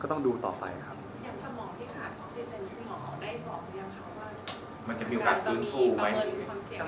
ก็ต้องการอยู่ในการดูแลที่ใกล้พิษก่อน